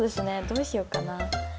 どうしようかな。